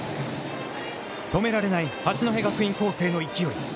止められない八戸学院光星の勢い。